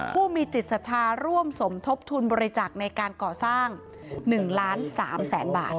ผู้มีจิตสาธาร่วมสมทบทุนบริจาคในการก่อสร้าง๑๓๐๐๐๐๐บาท